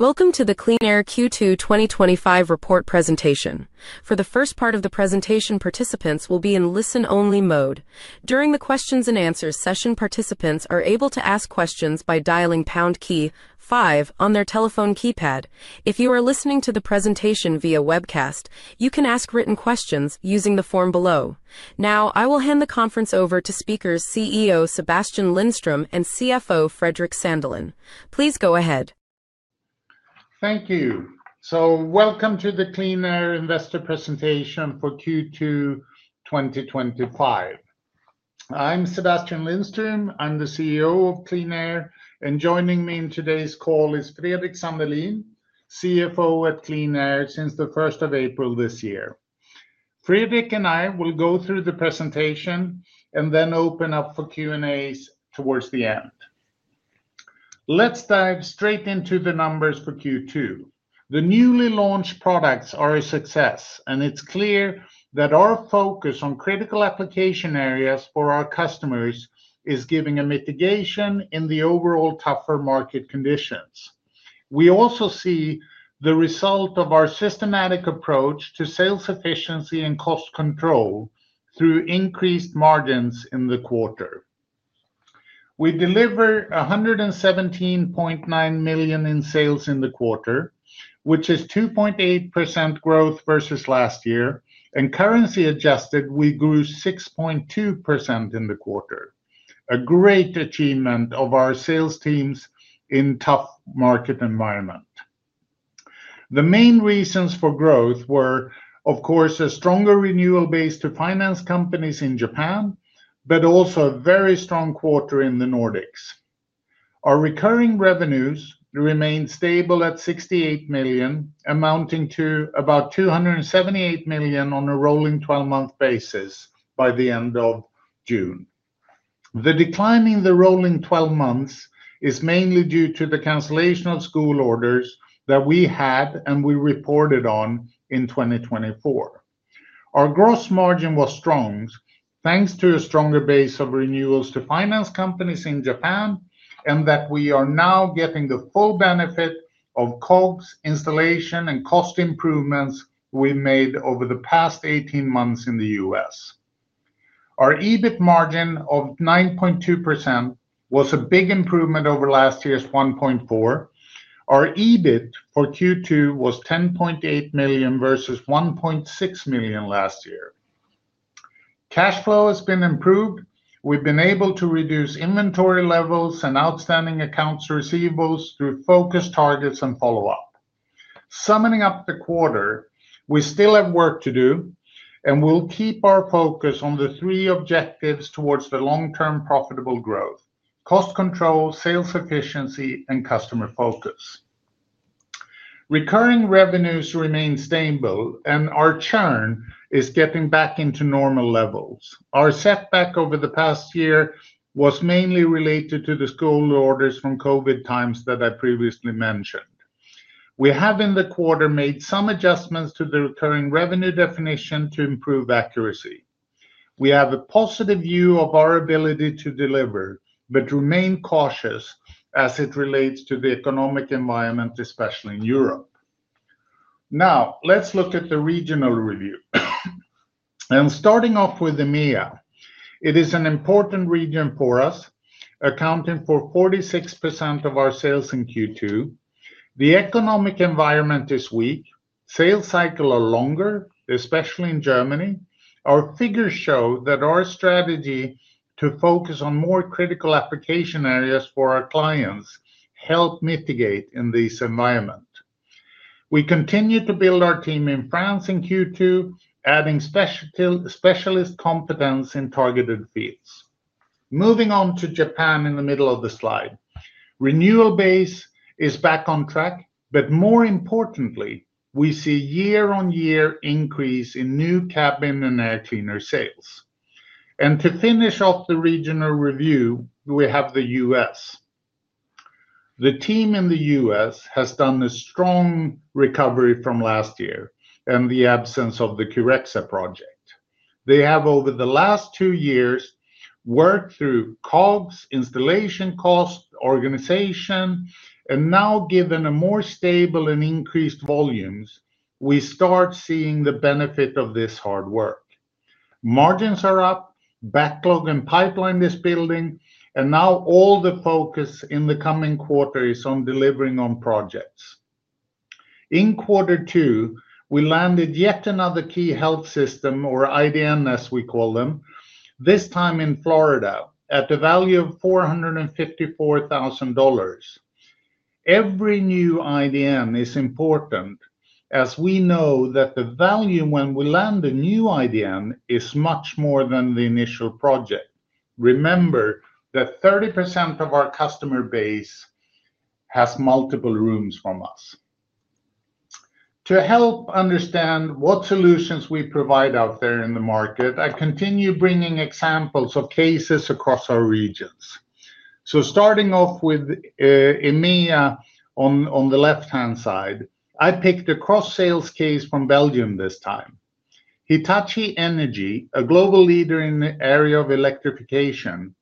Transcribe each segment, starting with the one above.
Welcome to the QleanAir Q2 2025 report presentation. For the first part of the presentation, participants will be in listen-only mode. During the questions-and-answers session, participants are able to ask questions by dialing pound key five on their telephone keypad. If you are listening to the presentation via webcast, you can ask written questions using the form below. Now, I will hand the conference over to speakers CEO Sebastian Lindström and CFO Fredrik Sandelin. Please go ahead. Thank you. Welcome to the QleanAir Investor Presentation for Q2 2025. I'm Sebastian Lindström, I'm the CEO of QleanAir, and joining me on today's call is Fredrik Sandelin, CFO at QleanAir since the 1st of April this year. Fredrik and I will go through the presentation and then open up for Q&As towards the end. Let's dive straight into the numbers for Q2. The newly launched products are a success, and it's clear that our focus on critical application areas for our customers is giving a mitigation in the overall tougher market conditions. We also see the result of our systematic approach to sales efficiency and cost control through increased margins in the quarter. We delivered 117.9 million in sales in the quarter, which is 2.8% growth versus last year, and currency adjusted, we grew 6.2% in the quarter, a great achievement of our sales teams in a tough market environment. The main reasons for growth were, of course, a stronger renewal base to finance companies in Japan, but also a very strong quarter in the Nordics. Our recurring revenues remain stable at 68 million, amounting to about 278 million on a rolling 12-month basis by the end of June. The decline in the rolling 12 months is mainly due to the cancellation of school orders that we had and we reported on in 2024. Our gross margin was strong, thanks to a stronger base of renewals to finance companies in Japan, and that we are now getting the full benefit of COGS installation and cost improvements we made over the past 18 months in the U.S. Our EBIT margin of 9.2% was a big improvement over last year's 1.4%. Our EBIT for Q2 was 10.8 million versus 1.6 million last year. Cash flow has been improved. We've been able to reduce inventory levels and outstanding accounts receivables through focused targets and follow-up. Summing up the quarter, we still have work to do, and we'll keep our focus on the three objectives towards the long-term profitable growth: cost control, sales efficiency, and customer focus. Recurring revenues remain stable, and our churn is getting back into normal levels. Our setback over the past year was mainly related to the school orders from COVID times that I previously mentioned. We have in the quarter made some adjustments to the recurring revenue definition to improve accuracy. We have a positive view of our ability to deliver, but remain cautious as it relates to the economic environment, especially in Europe. Now, let's look at the regional review. Starting off with EMEA, it is an important region for U.S., accounting for 46% of our sales in Q2. The economic environment is weak. Sales cycles are longer, especially in Germany. Our figures show that our strategy to focus on more critical application areas for our clients helps mitigate in this environment. We continue to build our team in France in Q2, adding specialist competence in targeted fields. Moving on to Japan in the middle of the slide. Renewal base is back on track, but more importantly, we see a year-on-year increase in new cabin and air cleaner sales. To finish off the regional review, we have the U.S. The team in the U.S. has done a strong recovery from last year and the absence of the Curexa project. They have, over the last two years, worked through COGS installation costs, organization, and now, given a more stable and increased volumes, we start seeing the benefit of this hard work. Margins are up, backlog and pipeline is building, and now all the focus in the coming quarter is on delivering on projects. In Q2, we landed yet another key health system, or IDN as we call them, this time in Florida at a value of $454,000. Every new IDN is important as we know that the value when we land a new IDN is much more than the initial project. Remember that 30% of our customer base has multiple rooms from U.S.. To help understand what solutions we provide out there in the market, I continue bringing examples of cases across our regions. Starting off with EMEA on the left-hand side, I picked a cross-sales case from Belgium this time. Hitachi Energy, a global leader in the area of electrification,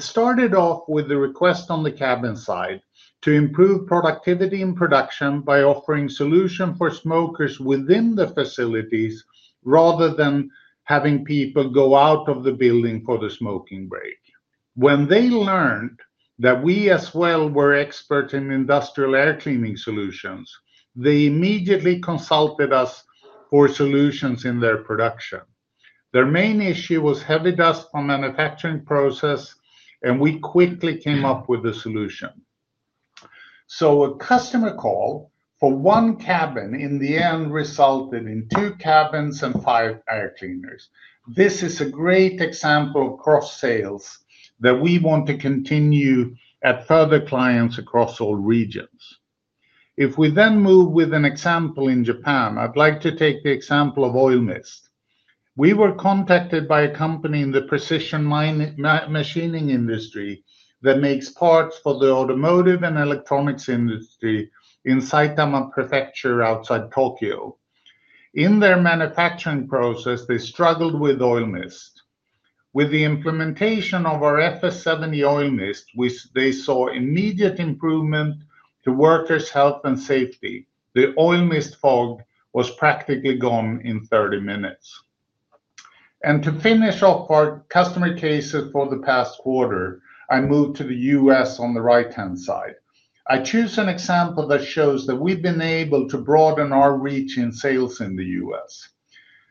started off with a request on the cabin side to improve productivity in production by offering solutions for smokers within the facilities rather than having people go out of the building for the smoking break. When they learned that we as well were experts in industrial air cleaning solutions, they immediately consulted U.S. for solutions in their production. Their main issue was heavy dust on the manufacturing process, and we quickly came up with a solution. A customer call for one cabin in the end resulted in two cabins and five air cleaners. This is a great example of cross-sales that we want to continue at further clients across all regions. If we then move with an example in Japan, I'd like to take the example of Oil Mist. We were contacted by a company in the precision machining industry that makes parts for the automotive and electronics industry in Saitama Prefecture outside Tokyo. In their manufacturing process, they struggled with Oil Mist. With the implementation of our FS70 Oil Mist, they saw immediate improvement to workers' health and safety. The Oil Mist fog was practically gone in 30 minutes. To finish off our customer cases for the past quarter, I moved to the U.S. on the right-hand side. I choose an example that shows that we've been able to broaden our reach in sales in the U.S.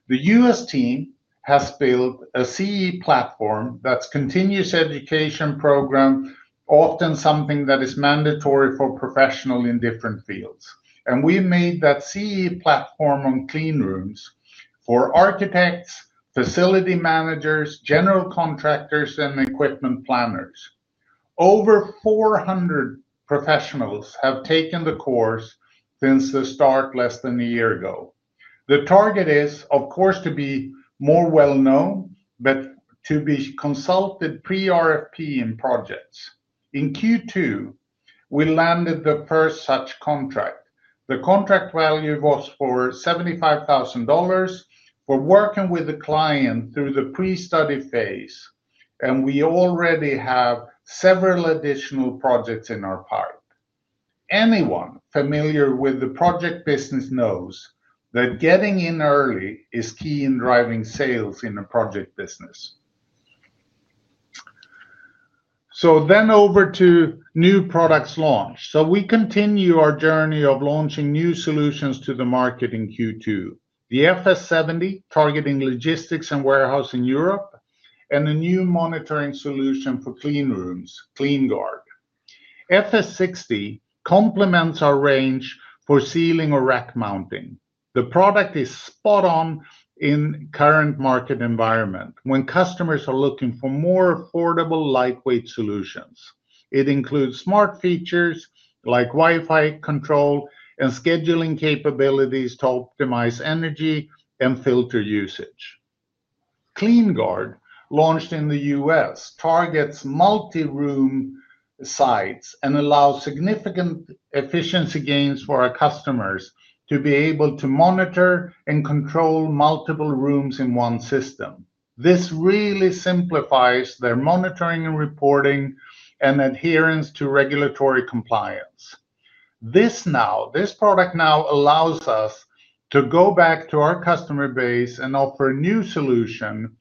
The U.S. team has built a CE platform that's a continuous education program, often something that is mandatory for professionals in different fields. We made that CE platform on cleanrooms for architects, facility managers, general contractors, and equipment planners. Over 400 professionals have taken the course since the start less than a year ago. The target is, of course, to be more well-known, but to be consulted pre-RFP in projects. In Q2, we landed the first such contract. The contract value was for $75,000. We're working with the client through the pre-study phase, and we already have several additional projects in our pilot. Anyone familiar with the project business knows that getting in early is key in driving sales in a project business. Over to new products launch. We continue our journey of launching new solutions to the market in Q2. The FS70, targeting logistics and warehouse in Europe, and a new monitoring solution for cleanrooms, CleanGuard. FS60 complements our range for ceiling or rack mounting. The product is spot on in the current market environment when customers are looking for more affordable, lightweight solutions. It includes smart features like Wi-Fi control and scheduling capabilities to optimize energy and filter usage. CleanGuard, launched in the U.S., targets multi-room sites and allows significant efficiency gains for our customers to be able to monitor and control multiple rooms in one system. This really simplifies their monitoring and reporting and adherence to regulatory compliance. This product now allows U.S. to go back to our customer base and offer a new solution.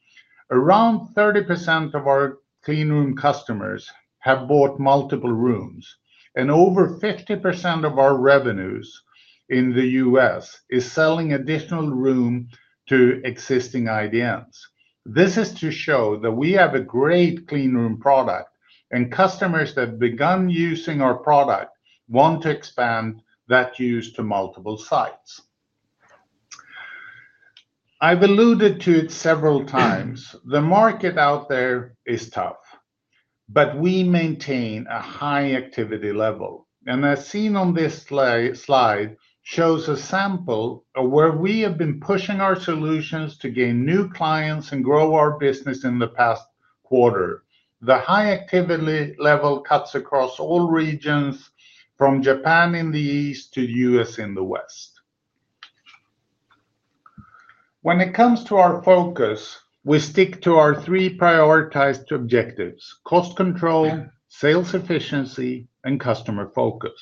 Around 30% of our cleanroom customers have bought multiple rooms, and over 50% of our revenues in the U.S. are selling additional rooms to existing IDNs. This is to show that we have a great cleanroom product, and customers that have begun U.S.ing our product want to expand that use to multiple sites. I've alluded to it several times. The market out there is tough, but we maintain a high activity level. As seen on this slide, it shows a sample of where we have been pushing our solutions to gain new clients and grow our business in the past quarter. The high activity level cuts across all regions, from Japan in the east to the U.S. in the west. When it comes to our focus, we stick to our three prioritized objectives: cost control, sales efficiency, and customer focus.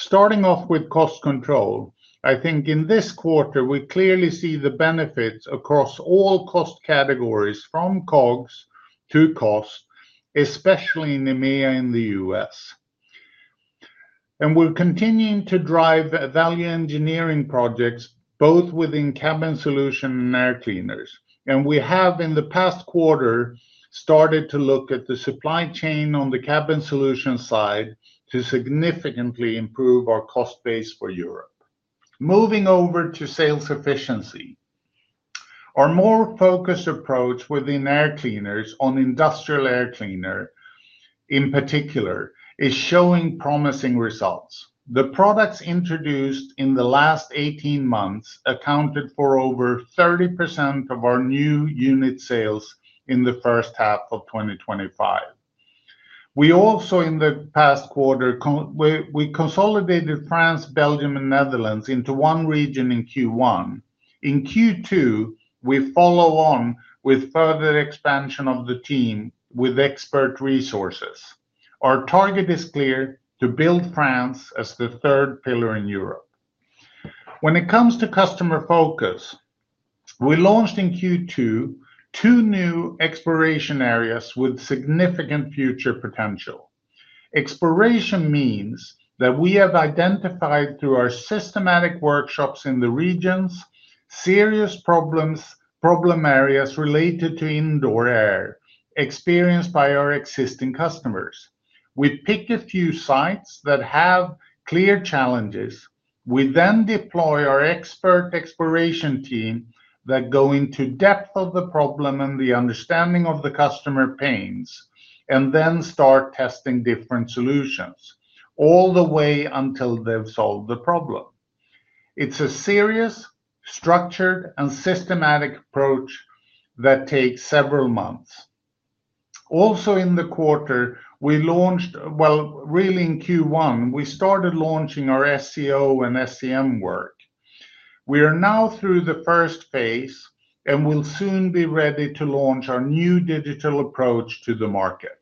Starting off with cost control, I think in this quarter we clearly see the benefits across all cost categories, from COGS to cost, especially in EMEA and the U.S. We're continuing to drive value engineering projects both within cabin solutions and air cleaners. In the past quarter, we started to look at the supply chain on the cabin solution side to significantly improve our cost base for Europe. Moving over to sales efficiency, our more focused approach within air cleaners, on industrial air cleaner in particular, is showing promising results. The products introduced in the last 18 months accounted for over 30% of our new unit sales in the first half of 2025. In the past quarter, we also consolidated France, Belgium, and Netherlands into one region in Q1. In Q2, we follow on with further expansion of the team with expert resources. Our target is clear to build France as the third pillar in Europe. When it comes to customer focus, we launched in Q2 two new exploration areas with significant future potential. Exploration means that we have identified, through our systematic workshops in the regions, serious problems and problem areas related to indoor air experienced by our existing customers. We pick a few sites that have clear challenges. We then deploy our expert exploration team that goes into depth of the problem and the understanding of the customer pains, and then start testing different solutions all the way until they've solved the problem. It's a serious, structured, and systematic approach that takes several months. Also in the quarter, we launched, really in Q1, we started launching our SEO and SEM work. We are now through the first phase and will soon be ready to launch our new digital approach to the market.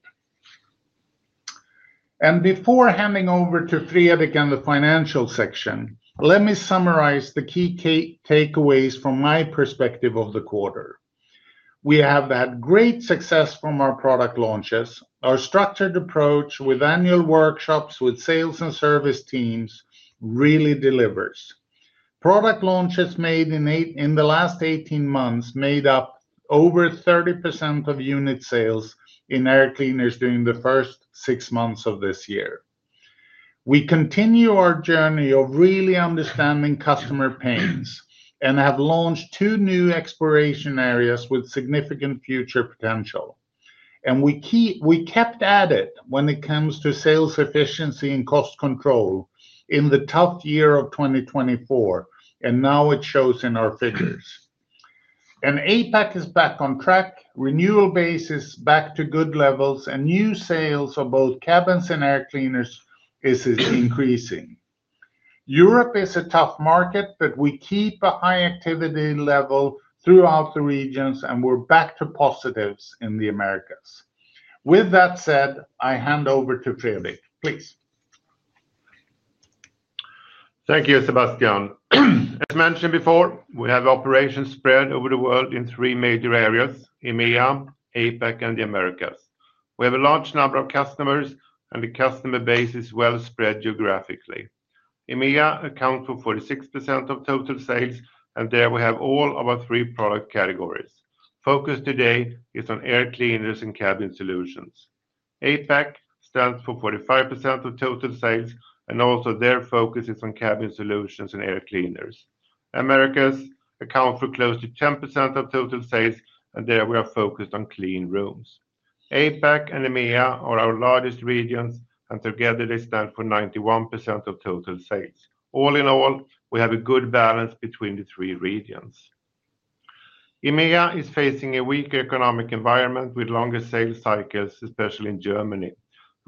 Before handing over to Fredrik and the financial section, let me summarize the key takeaways from my perspective of the quarter. We have had great success from our product launches. Our structured approach with annual workshops with sales and service teams really delivers. Product launches made in the last 18 months made up over 30% of unit sales in air cleaners during the first six months of this year. We continue our journey of really understanding customer pains and have launched two new exploration areas with significant future potential. We kept at it when it comes to sales efficiency and cost control in the tough year of 2024, and now it shows in our figures. APAC is back on track. Renewal base is back to good levels, and new sales of both cabins and air cleaners are increasing. Europe is a tough market, but we keep a high activity level throughout the regions, and we're back to positives in the Americas. With that said, I hand over to Fredrik, please. Thank you, Sebastian. As mentioned before, we have operations spread over the world in three major areas: EMEA, APAC, and the Americas. We have a large number of customers, and the customer base is well spread geographically. EMEA accounts for 46% of total sales, and there we have all of our three product categories. Focus today is on air cleaners and cabin solutions. APAC stands for 45% of total sales, and also there focus is on cabin solutions and air cleaners. Americas accounts for close to 10% of total sales, and there we are focused on cleanrooms. APAC and EMEA are our largest regions, and together they stand for 91% of total sales. All in all, we have a good balance between the three regions. EMEA is facing a weaker economic environment with longer sales cycles, especially in Germany.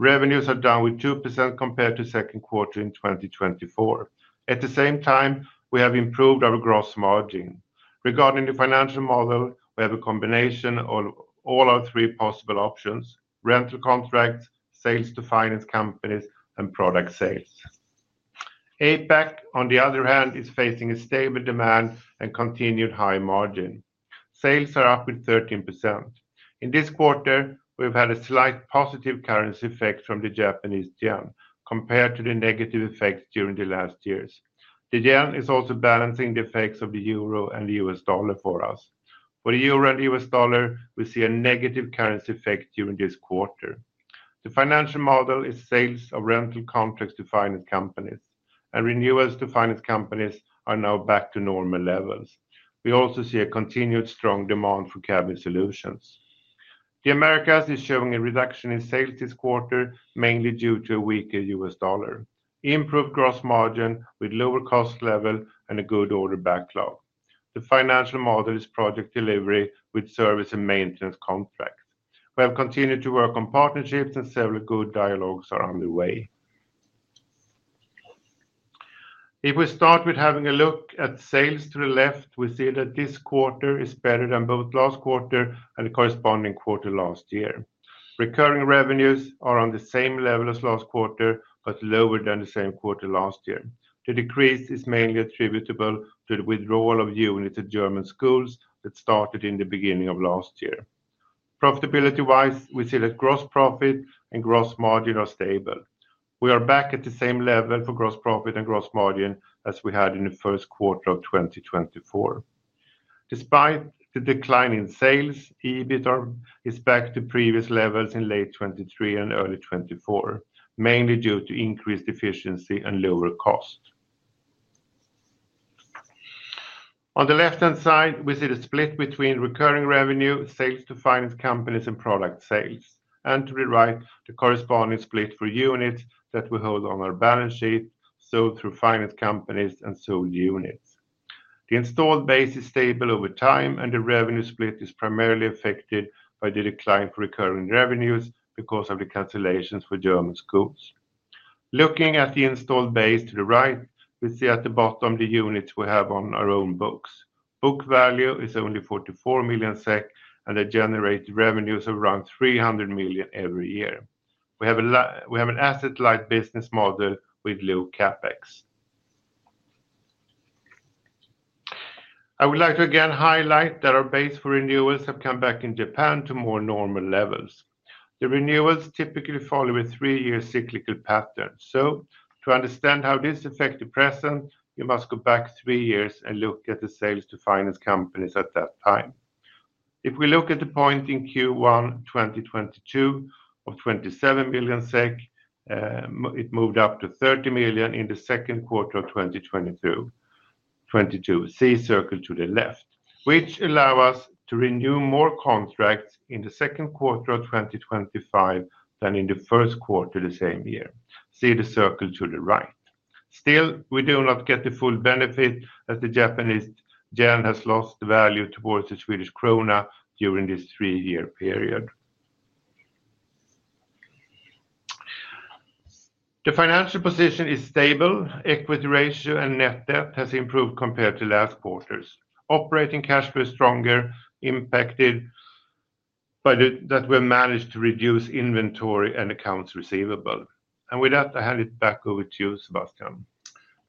Revenues are down 2% compared to the second quarter in 2024. At the same time, we have improved our gross margin. Regarding the financial model, we have a combination of all our three possible options: rental contracts, sales to finance companies, and product sales. APAC, on the other hand, is facing a stable demand and continued high margin. Sales are up 13%. In this quarter, we've had a slight positive currency effect from the Japanese yen compared to the negative effects during the last years. The yen is also balancing the effects of the euro and the U.S. dollar for U.S.. For the euro and the U.S. dollar, we see a negative currency effect during this quarter. The financial model is sales of rental contracts to finance companies, and renewals to finance companies are now back to normal levels. We also see a continued strong demand for cabin solutions. The Americas is showing a reduction in sales this quarter, mainly due to a weaker U.S. dollar. Improved gross margin with lower cost level and a good order backlog. The financial model is project delivery with service and maintenance contracts. We have continued to work on partnerships, and several good dialogues are underway. If we start with having a look at sales to the left, we see that this quarter is better than both last quarter and the corresponding quarter last year. Recurring revenues are on the same level as last quarter, but lower than the same quarter last year. The decrease is mainly attributable to the withdrawal of units at German schools that started in the beginning of last year. Profitability-wise, we see that gross profit and gross margin are stable. We are back at the same level for gross profit and gross margin as we had in the first quarter of 2024. Despite the decline in sales, EBITDA is back to previous levels in late 2023 and early 2024, mainly due to increased efficiency and lower cost. On the left-hand side, we see the split between recurring revenue, sales to finance companies, and product sales. To the right, the corresponding split for units that we hold on our balance sheet, sold through finance companies, and sold units. The installed base is stable over time, and the revenue split is primarily affected by the decline for recurring revenues because of the cancellations for German schools. Looking at the installed base to the right, we see at the bottom the units we have on our own books. Book value is only 44 million SEK, and the generated revenues are around 300 million every year. We have an asset-light business model with low CapEx. I would like to again highlight that our base for renewals has come back in Japan to more normal levels. The renewals typically follow a three-year cyclical pattern. To understand how this affects the present, you must go back three years and look at the sales to finance companies at that time. If we look at the point in Q1 2022 of 27 million SEK, it moved up to 30 million in the second quarter of 2022. See the circle to the left, which allows U.S. to renew more contracts in the second quarter of 2025 than in the first quarter the same year. See the circle to the right. Still, we do not get the full benefit as the Japanese yen has lost value towards the Swedish krona during this three-year period. The financial position is stable. Equity ratio and net debt have improved compared to last quarters. Operating cash flow is stronger, impacted by that we have managed to reduce inventory and accounts receivable. With that, I hand it back over to you, Sebastian.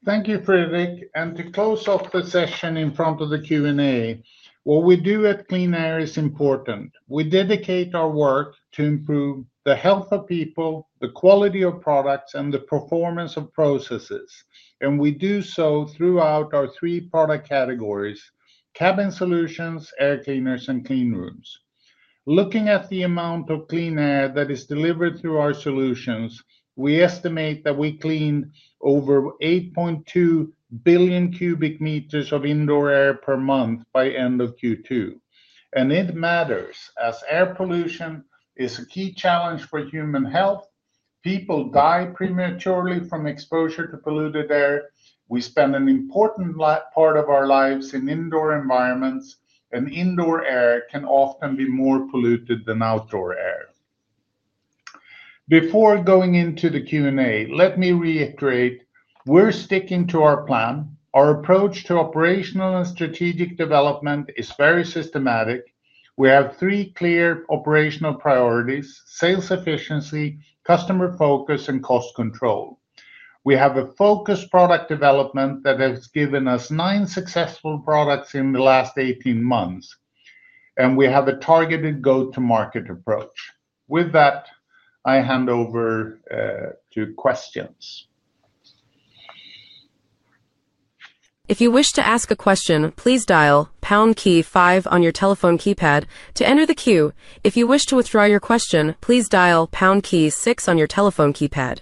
Thank you, Fredrik. To close off the session in front of the Q&A, what we do at QleanAir is important. We dedicate our work to improve the health of people, the quality of products, and the performance of processes. We do so throughout our three product categories: cabin solutions, air cleaners, and cleanrooms. Looking at the amount of clean air that is delivered through our solutions, we estimate that we clean over 8.2 billion cubic meters of indoor air per month by the end of Q2. It matters as air pollution is a key challenge for human health. People die prematurely from exposure to polluted air. We spend an important part of our lives in indoor environments, and indoor air can often be more polluted than outdoor air. Before going into the Q&A, let me reiterate we're sticking to our plan. Our approach to operational and strategic development is very systematic. We have three clear operational priorities: sales efficiency, customer focus, and cost control. We have a focused product development that has given U.S. nine successful products in the last 18 months, and we have a targeted go-to-market approach. With that, I hand over to questions. If you wish to ask a question, please dial pound key five on your telephone keypad to enter the queue. If you wish to withdraw your question, please dial pound key six on your telephone keypad.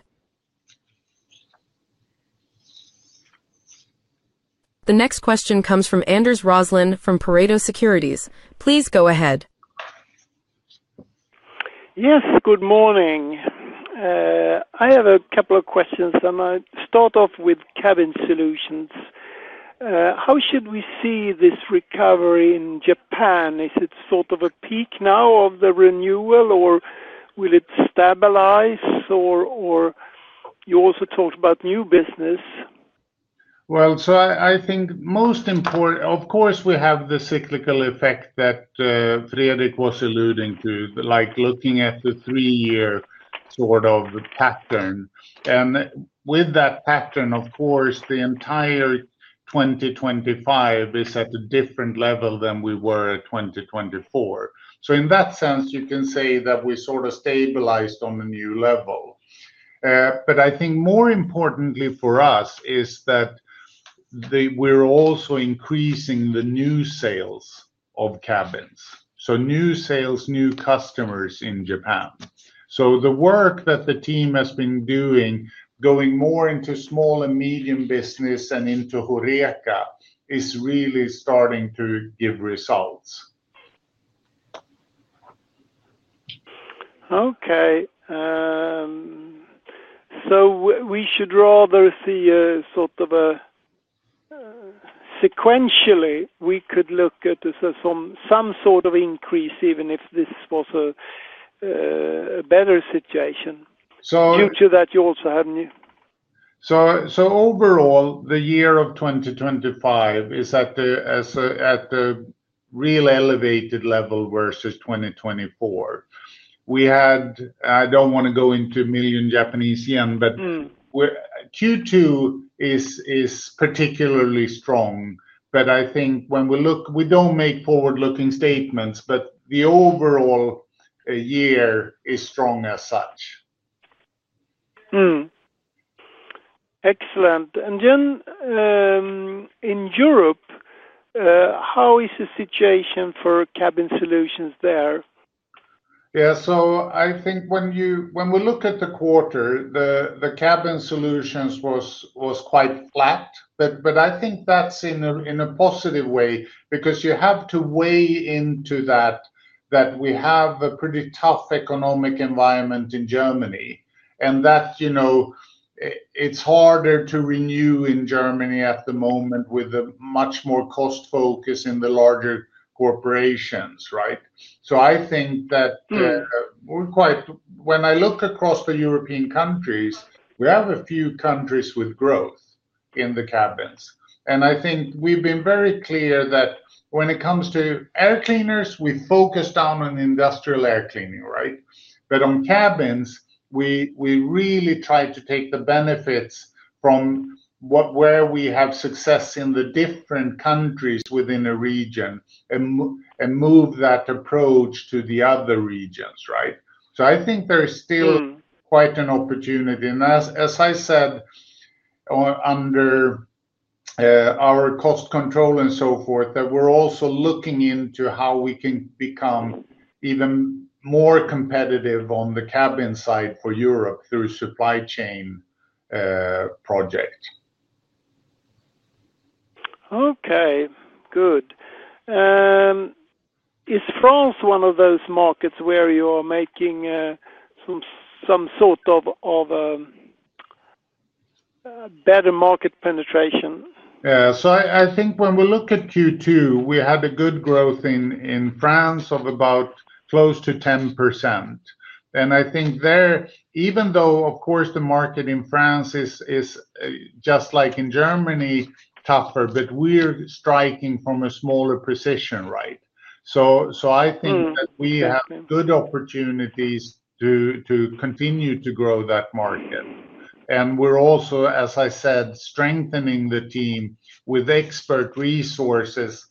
The next question comes from Anders Roslin from Pareto Securities. Please go ahead. Yes, good morning. I have a couple of questions. I might start off with cabin solutions. How should we see this recovery in Japan? Is it sort of a peak now of the renewal, or will it stabilize? You also talked about new business. I think most important, of course, we have the cyclical effect that Fredrik was alluding to, like looking at the three-year sort of pattern. With that pattern, of course, the entire 2025 is at a different level than we were at 2024. In that sense, you can say that we sort of stabilized on a new level. I think more importantly for U.S. is that we're also increasing the new sales of cabins. New sales, new customers in Japan. The work that the team has been doing, going more into small and medium business and into Horeca, is really starting to give results. We should rather see a sort of a sequentially, we could look at some sort of increase, even if this was a better situation. So. Due to that, you also hadn't you? Overall, the year of 2025 is at the real elevated level versus 2024. We had, I don't want to go into a million Japanese yen, but Q2 is particularly strong. I think when we look, we don't make forward-looking statements, but the overall year is strong as such. Excellent. In Europe, how is the situation for cabin solutions there? Yeah, I think when we look at the quarter, the cabin solutions was quite flat. I think that's in a positive way because you have to weigh into that that we have a pretty tough economic environment in Germany, and it's harder to renew in Germany at the moment with a much more cost focus in the larger corporations, right? I think that we're quite, when I look across the European countries, we have a few countries with growth in the cabins. I think we've been very clear that when it comes to air cleaners, we focus down on industrial air cleaning, right? On cabins, we really try to take the benefits from where we have success in the different countries within a region and move that approach to the other regions, right? I think there is still quite an opportunity. As I said, under our cost control and so forth, we're also looking into how we can become even more competitive on the cabin side for Europe through supply chain projects. Okay, good. Is France one of those markets where you are making some sort of better market penetration? I think when we look at Q2, we had good growth in France of about close to 10%. I think there, even though, of course, the market in France is just like in Germany, tougher, we're striking from a smaller position, right? I think that we have good opportunities to continue to grow that market. We're also, as I said, strengthening the team with expert resources.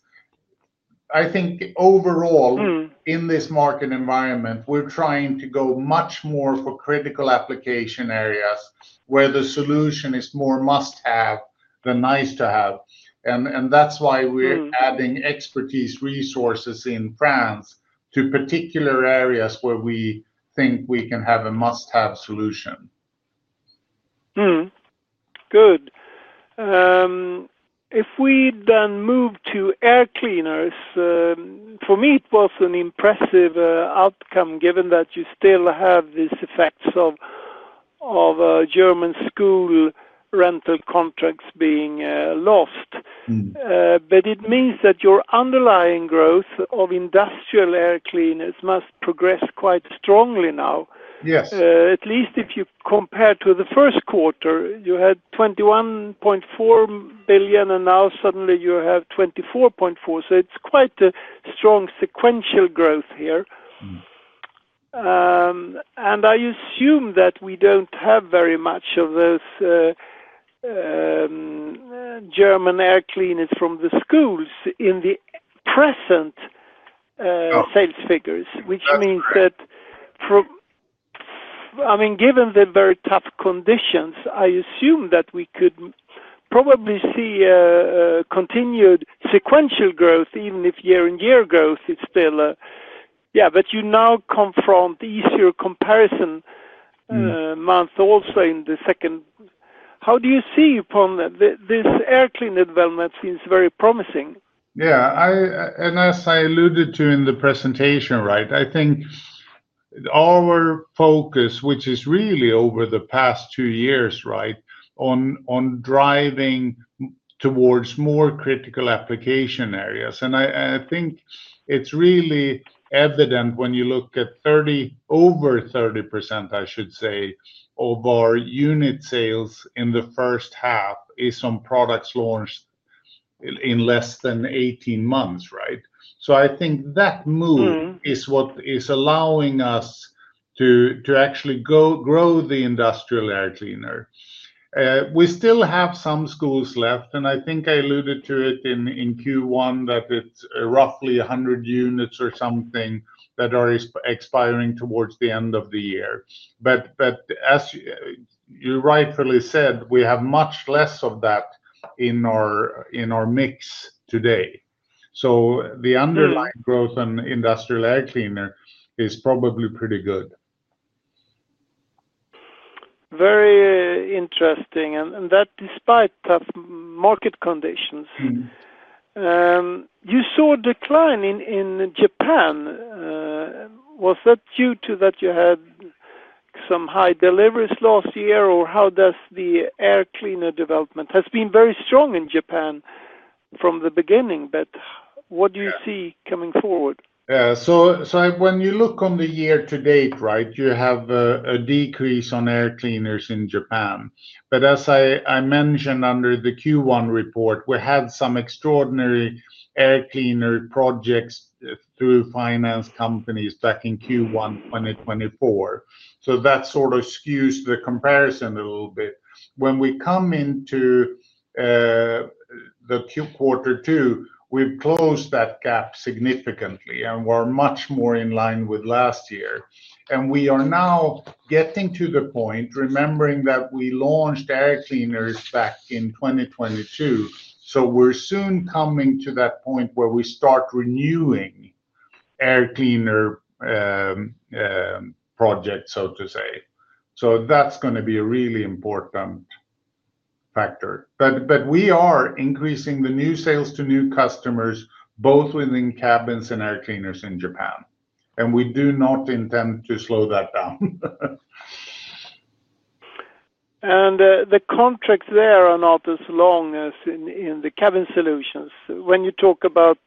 I think overall, in this market environment, we're trying to go much more for critical application areas where the solution is more must-have than nice-to-have. That's why we're adding expertise resources in France to particular areas where we think we can have a must-have solution. Good. If we then move to air cleaners, for me, it was an impressive outcome given that you still have these effects of German school rental contracts being lost. It means that your underlying growth of industrial air cleaners must progress quite strongly now. Yeah. At least if you compare to the first quarter, you had 21.4 million, and now suddenly you have 24.4 million. It's quite a strong sequential growth here. I assume that we don't have very much of those German air cleaners from the schools in the present sales figures, which means that, given the very tough conditions, I assume that we could probably see continued sequential growth, even if year-on-year growth is still a, yeah, but you now confront easier comparison month also in the second. How do you see upon that? This air cleaner development seems very promising. Yeah, as I alluded to in the presentation, I think our focus, which is really over the past two years, on driving towards more critical application areas. I think it's really evident when you look at over 30% of our unit sales in the first half is on products launched in less than 18 months. I think that move is what is allowing U.S. to actually grow the industrial air cleaner. We still have some schools left, and I think I alluded to it in Q1 that it's roughly 100 units or something that are expiring towards the end of the year. As you rightfully said, we have much less of that in our mix today. The underlying growth on industrial air cleaner is probably pretty good. Very interesting. Despite tough market conditions, you saw a decline in Japan. Was that due to that you had some high deliveries last year, or how does the air cleaner development has been very strong in Japan from the beginning, but what do you see coming forward? When you look on the year to date, right, you have a decrease on air cleaners in Japan. As I mentioned under the Q1 report, we had some extraordinary air cleaner projects through finance companies back in Q1 2024. That sort of skews the comparison a little bit. When we come into Quarter Two, we've closed that gap significantly and were much more in line with last year. We are now getting to the point, remembering that we launched air cleaners back in 2022. We're soon coming to that point where we start renewing air cleaner projects, so to say. That's going to be a really important factor. We are increasing the new sales to new customers, both within cabins and air cleaners in Japan. We do not intend to slow that down. The contracts there are not as long as in the cabin solutions. When you talk about,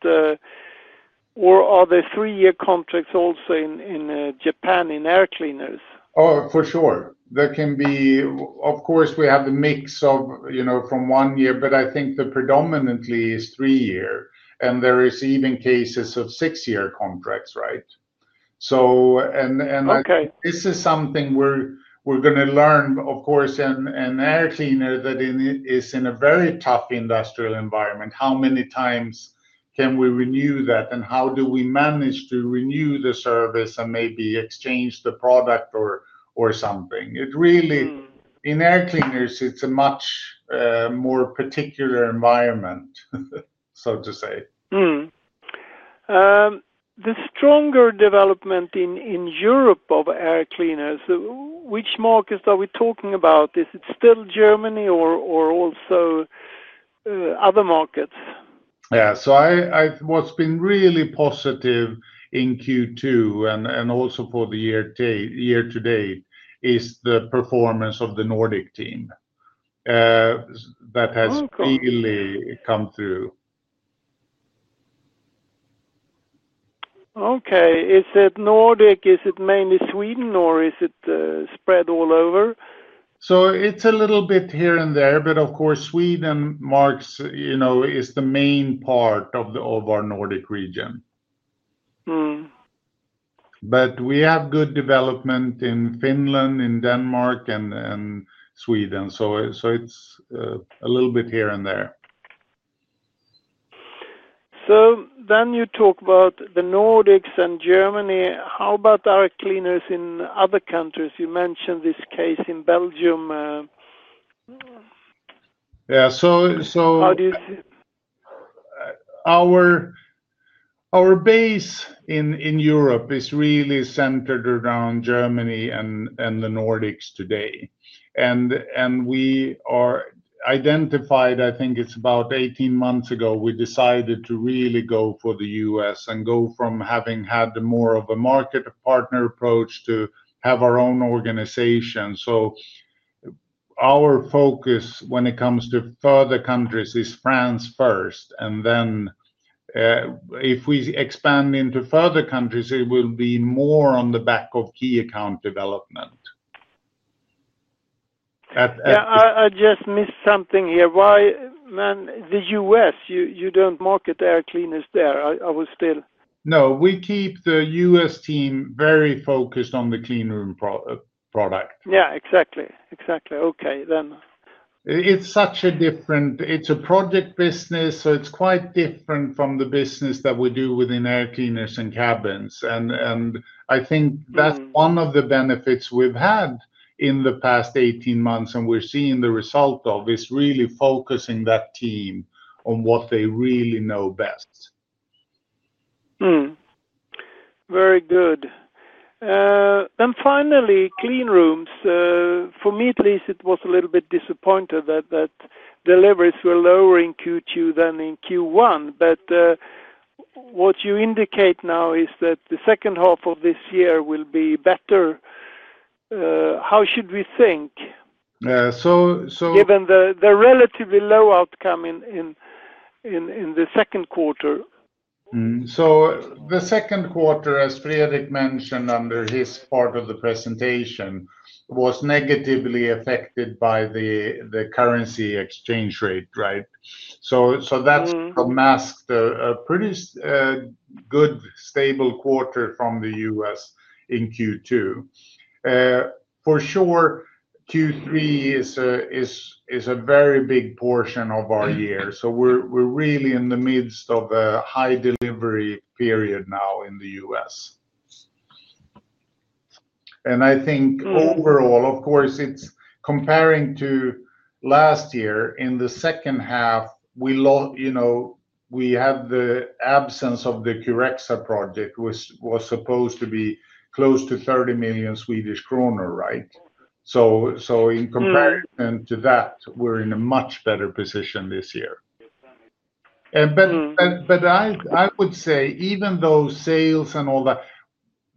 are there three-year contracts also in Japan in air cleaners? Oh, for sure. There can be, of course, we have a mix of, you know, from one year, but I think the predominant is three-year. There are even cases of six-year contracts, right? This is something we're going to learn, of course, an air cleaner that is in a very tough industrial environment. How many times can we renew that? How do we manage to renew the service and maybe exchange the product or something? It really, in air cleaners, it's a much more particular environment, so to say. The stronger development in Europe of air cleaners, which markets are we talking about? Is it still Germany or also other markets? Yeah, what's been really positive in Q2 and also for the year to date is the performance of the Nordic team that has really come through. Okay. Is it Nordic, is it mainly Sweden, or is it spread all over? It's a little bit here and there, but of course, Sweden is the main part of our Nordic region. We have good development in Finland, in Denmark, and Sweden. It's a little bit here and there. You talk about the Nordics and Germany. How about air cleaners in other countries? You mentioned this case in Belgium. Yeah, so. How do you see? Our base in Europe is really centered around Germany and the Nordics today. We identified, I think it's about 18 months ago, we decided to really go for the U.S. and go from having had more of a market partner approach to have our own organization. Our focus when it comes to further countries is France first. If we expand into further countries, it will be more on the back of key account development. I just missed something here. Why, man, the U.S., you don't market air cleaners there. I was still. No, we keep the U.S. team very focused on the cleanroom product. Yeah, exactly. Exactly. Okay, then. It's such a different, it's a project business, so it's quite different from the business that we do within air cleaners and cabins. I think that's one of the benefits we've had in the past 18 months and we're seeing the result of is really focusing that team on what they really know best. Very good. Finally, cleanrooms, for me at least, it was a little bit disappointing that deliveries were lower in Q2 than in Q1. What you indicate now is that the second half of this year will be better. How should we think? Yeah, so. Given the relatively low outcome in the second quarter. The second quarter, as Fredrik mentioned under his part of the presentation, was negatively affected by the currency exchange rate, right? That masks a pretty good stable quarter from the U.S. in Q2. For sure, Q3 is a very big portion of our year. We're really in the midst of a high delivery period now in the U.S. I think overall, of course, it's comparing to last year in the second half, we had the absence of the Curexa project, which was supposed to be close to 30 million Swedish kronor, right? In comparison to that, we're in a much better position this year. I would say even though sales and all that,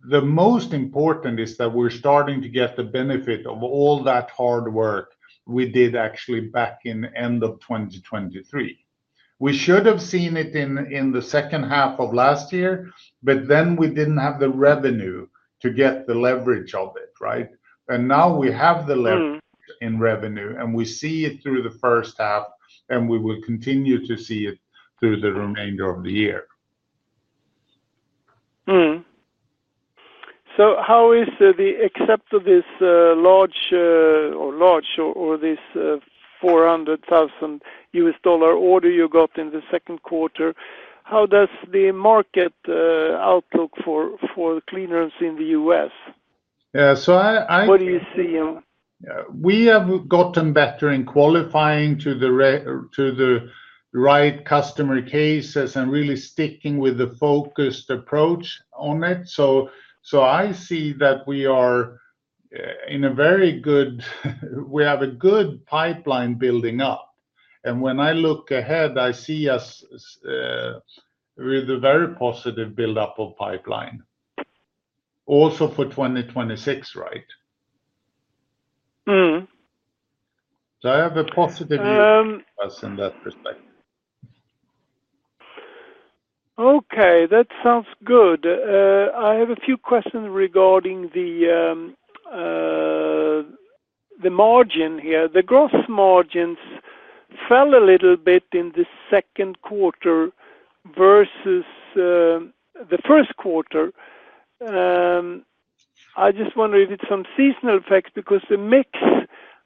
the most important is that we're starting to get the benefit of all that hard work we did actually back in the end of 2023. We should have seen it in the second half of last year, but then we didn't have the revenue to get the leverage of it, right? Now we have the leverage in revenue and we see it through the first half and we will continue to see it through the remainder of the year. How is the, except for this large, or this $400,000 order you got in the second quarter, how does the market outlook for cleanrooms in the U.S.? Yeah, I. What do you see? We have gotten better in qualifying to the right customer cases and really sticking with the focused approach on it. I see that we are in a very good, we have a good pipeline building up. When I look ahead, I see U.S. with a very positive buildup of pipeline also for 2026, right? I have a positive view in that respect. Okay, that sounds good. I have a few questions regarding the margin here. The gross margins fell a little bit in the second quarter versus the first quarter. I just wonder if it's some seasonal effects because the mix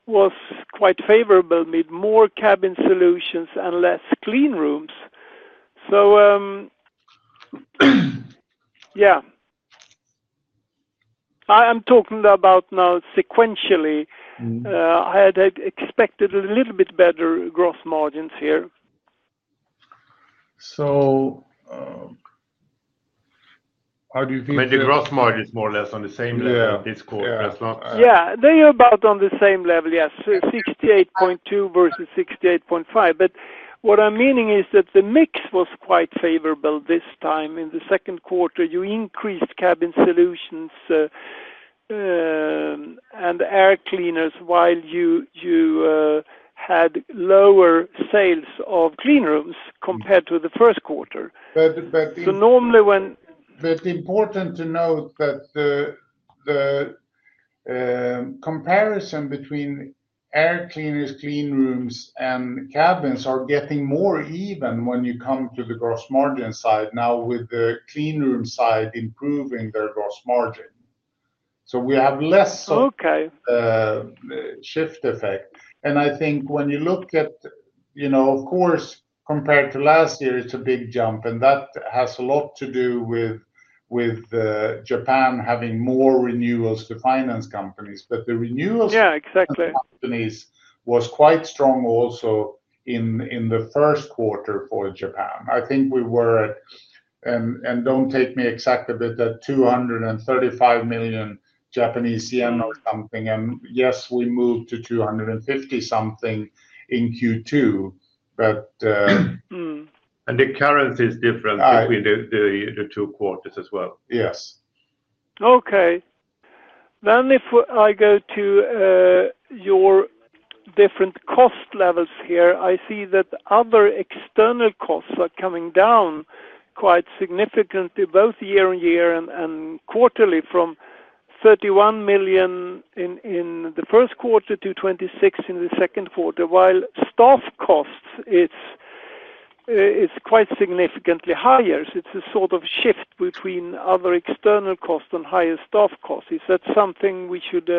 was quite favorable, made more cabin solutions and less cleanrooms. Yeah, I'm talking about now sequentially. I had expected a little bit better gross margins here. How do you feel? The gross margin is more or less on the same level this quarter as well? Yeah, they are about on the same level, yes, 68.2% versus 68.5%. What I'm meaning is that the mix was quite favorable this time in the second quarter. You increased cabin solutions and air cleaners while you had lower sales of cleanrooms compared to the first quarter. But. Normally, when. It's important to note that the comparison between air cleaners, cleanrooms, and cabins are getting more even when you come to the gross margin side now with the cleanroom side improving their gross margin. We have less of a shift effect. I think when you looked at, you know, of course, compared to last year, it's a big jump. That has a lot to do with Japan having more renewals to finance companies. The renewals. Yeah, exactly. Companies was quite strong also in the first quarter for Japan. I think we were at, and don't take me exactly, but at 235 million Japanese yen or something. Yes, we moved to 250 million something in Q2. The currency is different between the two quarters as well. Yes. Okay. If I go to your different cost levels here, I see that other external costs are coming down quite significantly, both year on year and quarterly, from 31 million in the first quarter to 26 million in the second quarter, while staff costs are quite significantly higher. It's a sort of shift between other external costs and higher staff costs. Is that something we should.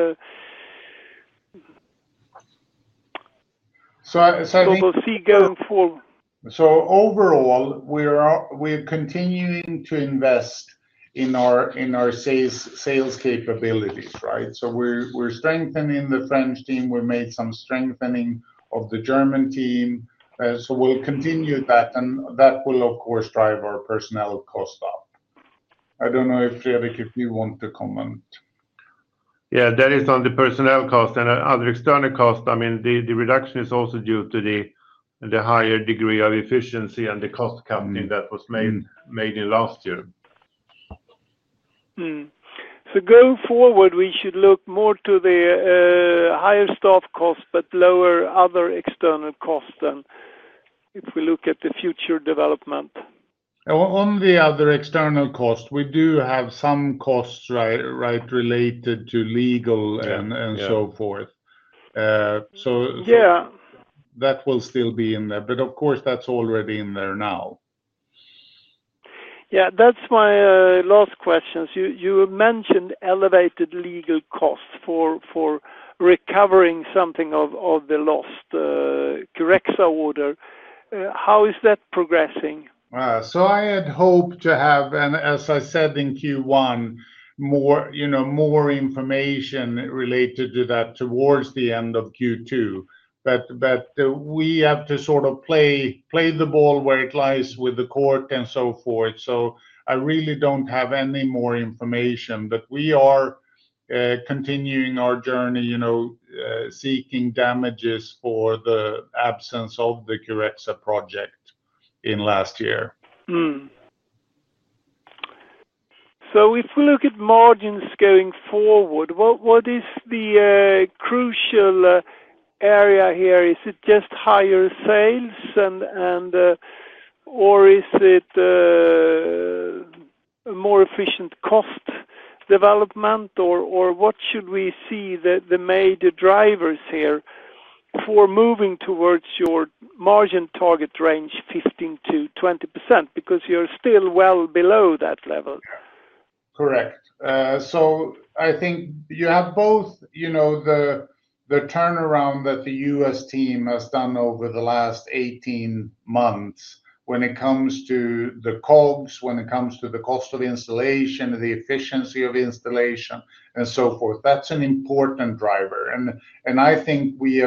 I think. Go forward? Overall, we're continuing to invest in our sales capabilities, right? We're strengthening the French team. We made some strengthening of the German team. We'll continue that, and that will, of course, drive our personnel costs up. I don't know if Fredrik, if you want to comment. Yeah, that is on the personnel cost and other external costs. I mean, the reduction is also due to the higher degree of efficiency and the cost cap that was made in last year. Going forward, we should look more to the higher staff costs, but lower other external costs if we look at the future development. On the other external costs, we do have some costs related to legal and so forth. That will still be in there. Of course, that's already in there now. Yeah, that's my last question. You mentioned elevated legal costs for recovering something of the lost Curexa order. How is that progressing? I had hoped to have, as I said in Q1, more information related to that towards the end of Q2. We have to sort of play the ball where it lies with the court and so forth. I really don't have any more information. We are continuing our journey, seeking damages for the absence of the Curexa project last year. If we look at margins going forward, what is the crucial area here? Is it just higher sales or is it a more efficient cost development or what should we see the major drivers here for moving towards your margin target range of 15%-20% because you're still well below that level? Correct. I think you have both, you know, the turnaround that the U.S. team has done over the last 18 months when it comes to the COGS, when it comes to the cost of installation, the efficiency of installation, and so forth. That's an important driver. I think we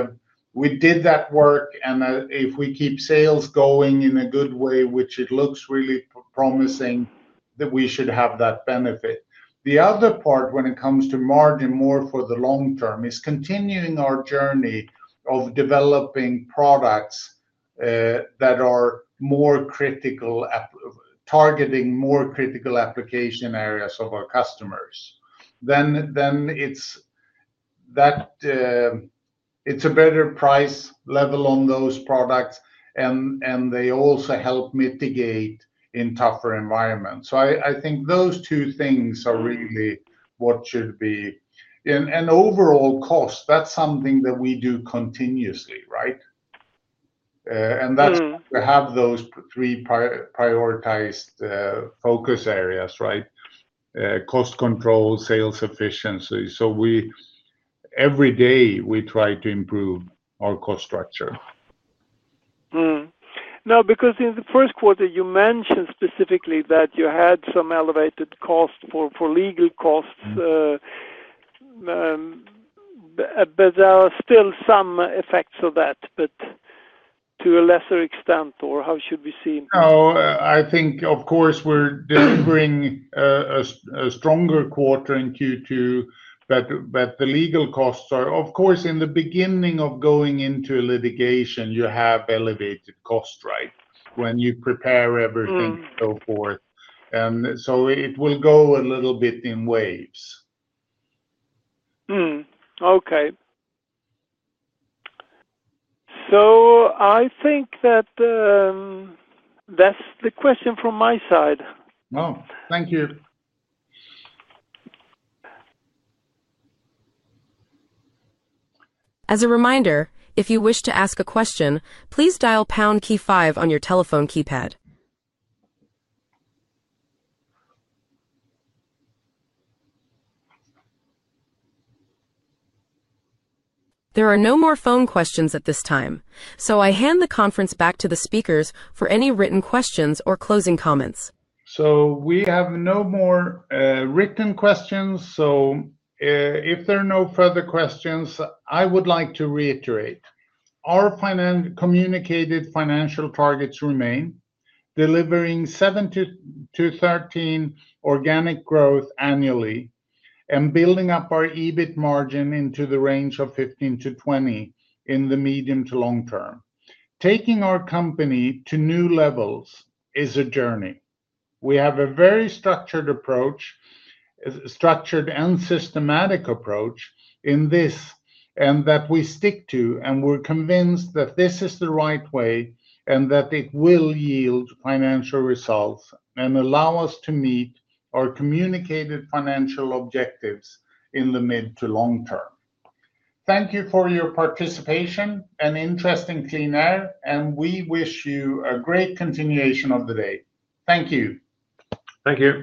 did that work. If we keep sales going in a good way, which looks really promising, we should have that benefit. The other part when it comes to margin more for the long term is continuing our journey of developing products that are more critical, targeting more critical application areas of our customers. Then it's a better price level on those products. They also help mitigate in tougher environments. I think those two things are really what should be. Overall cost, that's something that we do continuously, right? That's to have those three prioritized focus areas, right? Cost control, sales efficiency. Every day we try to improve our cost structure. Now, because in the first quarter you mentioned specifically that you had some elevated costs for legal costs, there are still some effects of that, but to a lesser extent, or how should we see? No, I think, of course, we're delivering a stronger quarter in Q2, but the legal costs are, of course, in the beginning of going into litigation, you have elevated costs, right? When you prepare everything and so forth. It will go a little bit in waves. Okay, I think that that's the question from my side. Thank you. As a reminder, if you wish to ask a question, please dial pound key five on your telephone keypad. There are no more phone questions at this time. I hand the conference back to the speakers for any written questions or closing comments. We have no more written questions. If there are no further questions, I would like to reiterate. Our communicated financial targets remain delivering 7%-13% organic growth annually and building up our EBIT margin into the range of 15%-20% in the medium to long term. Taking our company to new levels is a journey. We have a very structured approach, a structured and systematic approach in this, and that we stick to, and we're convinced that this is the right way and that it will yield financial results and allow U.S. to meet our communicated financial objectives in the mid to long term. Thank you for your participation and interest in clean air, and we wish you a great continuation of the day. Thank you. Thank you.